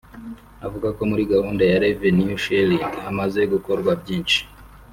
avuga ko muri gahunda ya ‘Revenue sharing’ hamaze gukorwa byinshi